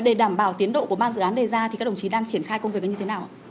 để đảm bảo tiến độ của ba dự án đề ra thì các đồng chí đang triển khai công việc như thế nào ạ